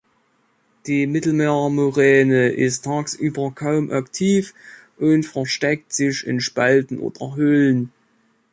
Die Mittelmeer-Muräne ist tagsüber kaum aktiv und versteckt sich in Spalten oder Höhlen.